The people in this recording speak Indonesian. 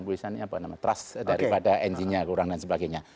misalnya apa namanya trust daripada engine nya kurang dan sebagainya